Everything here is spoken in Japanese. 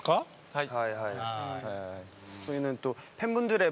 はい。